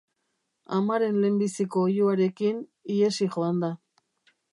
Amaren lehenbiziko oihuarekin, ihesi joan da.